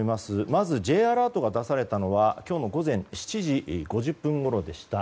まずＪアラートが出されたのは今日午前７時５０分ごろでした。